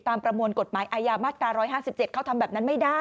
ประมวลกฎหมายอาญามาตรา๑๕๗เขาทำแบบนั้นไม่ได้